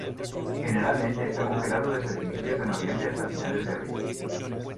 Generalmente está congelado desde principios de noviembre hasta finales de abril.